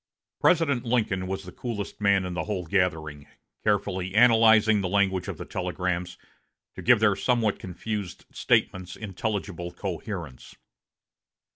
President Lincoln was the coolest man in the whole gathering, carefully analyzing the language of the telegrams, to give their somewhat confused statements intelligible coherence.